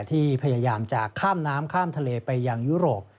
ที่พยายามจะข้ามน้ำข้ามทะเลไปยังยุโรป